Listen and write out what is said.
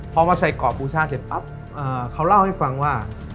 พอมาใส่กรอบบูชาเสร็จปั๊บเขาเล่าให้ฟังว่า